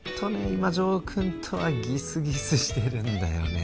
今城君とはギスギスしてるんだよね